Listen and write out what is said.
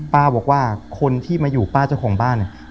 ป้าบอกว่าคนที่มาอยู่ป้าเจ้าของบ้านเนี่ย